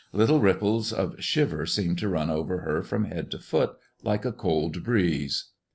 Little ripples of shiver seemed to run over her from head to foot, like a cold breeze.